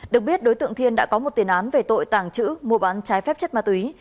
được biết đối tượng thiên đã có một tiền án về tội tàng trữ mua bán trái phép chất ma túy